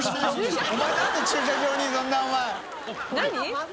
何？